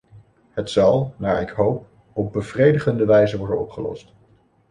Het zal, naar ik hoop, op bevredigende wijze worden opgelost.